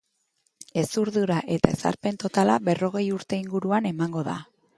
Hezurdura eta ezarpen totala berrogei urte inguruan emango da.